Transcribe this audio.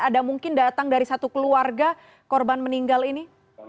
ada mungkin datang dari satu keluarga korban meninggal ini